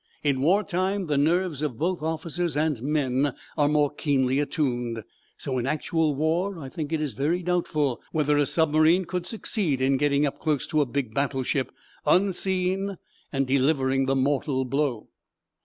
In war time the nerves of both officers and men are more keenly attuned. So, in actual war, I think it very doubtful whether a submarine could succeed in getting up close to a big battleship, unseen, and delivering the mortal blow."